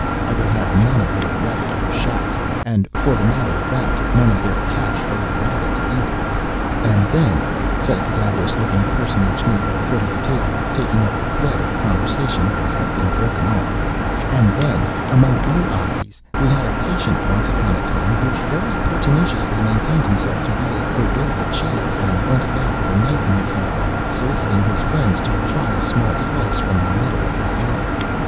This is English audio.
I will have none of their rabbit au chat—and, for the matter of that, none of their cat au rabbit either. "And then," said a cadaverous looking personage, near the foot of the table, taking up the thread of the conversation where it had been broken off,—"and then, among other oddities, we had a patient, once upon a time, who very pertinaciously maintained himself to be a Cordova cheese, and went about, with a knife in his hand, soliciting his friends to try a small slice from the middle of his leg."